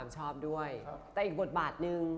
ชอบด้วยแต่อีกบทบาทนึง